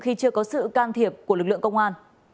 khi chưa có sự can thiệp của lực lượng công an